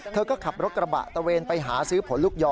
เธอก็ขับรถกระบะตะเวนไปหาซื้อผลลูกยอ